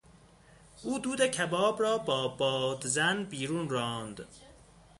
او دود کباب را با بادزن بیرون راند.